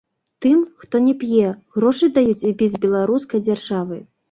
Тым, хто не п'е, грошы даюць і без беларускай дзяржавы.